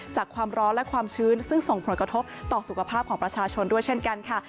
จากความร้อนและความชื้นซึ่งส่งผลกระทบต่อสุขภาพของประชาชนด้วยเช่นกันค่ะ